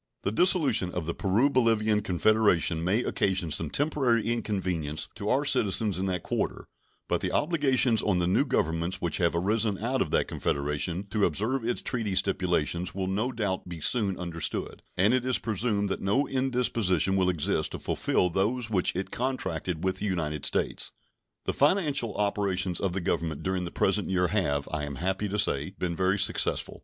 The dissolution of the Peru Bolivian Confederation may occasion some temporary inconvenience to our citizens in that quarter, but the obligations on the new Governments which have arisen out of that Confederation to observe its treaty stipulations will no doubt be soon understood, and it is presumed that no indisposition will exist to fulfill those which it contracted with the United States. The financial operations of the Government during the present year have, I am happy to say, been very successful.